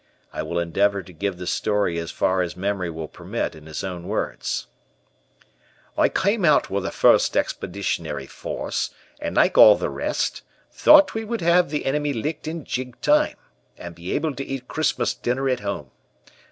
I will endeavor to give the story as far as memory will permit in his own words: "I came out with the First Expeditionary Force, and like all the rest, thought we would have the enemy licked in jig time, and be able to eat Christmas dinner at home.